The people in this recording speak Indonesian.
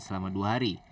selama dua hari